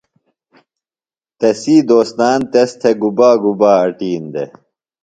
تسی دوستان تس تھےۡ گُبا گُبا اٹِین دےۡ؟